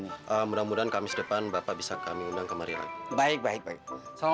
nih mudah mudahan kamis depan bapak bisa kami undang kemarin baik baik baik baik